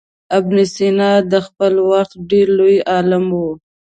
ابن سینا د خپل وخت ډېر لوی عالم و.